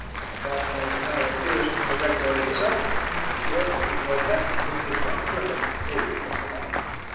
But, as now appears from the record itself, the careful Judge Advocate did not turn up the page from the bottom.